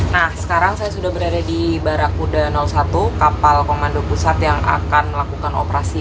nah sekarang saya sudah berada di barakuda satu kapal komando pusat yang akan melakukan operasi